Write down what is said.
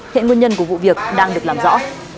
hiện nguyên nhân của vụ việc đang được làm rõ